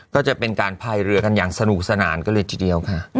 ก็จะเป็นการพายเรือกันอย่างสนุกสนานกันเลยทีเดียวค่ะ